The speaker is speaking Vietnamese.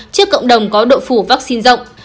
trước cộng đồng có độ phủ vaccine rộng